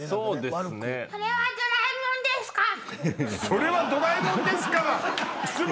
「それはドラえもんですか？」は。